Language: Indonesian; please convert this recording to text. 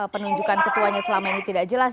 penunjukan ketuanya selama ini tidak jelas